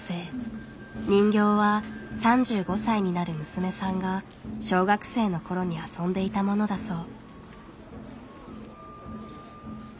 人形は３５歳になる娘さんが小学生のころに遊んでいたものだそう。